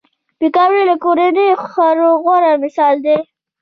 پکورې له کورني خوړو غوره مثال دی